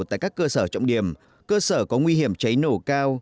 tại các cơ sở trọng điểm cơ sở có nguy hiểm cháy nổ cao